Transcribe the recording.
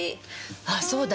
あっそうだ！